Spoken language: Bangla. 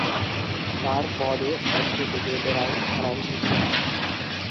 তার পদে অচ্যুত দেব রায় স্থলাভিষিক্ত হন।